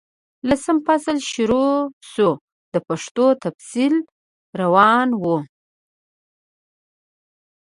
لسم فصل شروع شو، د پیښو تفصیل روان وو.